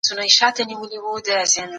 جان سبت د علمي میتود پر کارولو ټینګار کوي.